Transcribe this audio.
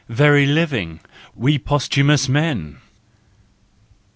very living! we posthumous men!